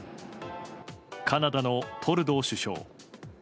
カナダのトルドー首相。